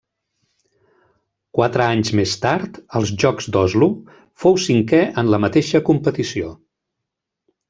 Quatre anys més tard, als Jocs d'Oslo, fou cinquè en la mateixa competició.